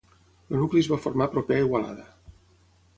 El nucli es va formar proper a Igualada.